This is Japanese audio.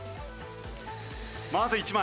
まず１枚。